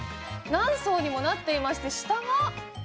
何層にもなっていまして、下は？